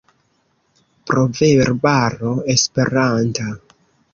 Proverbaro esperanta.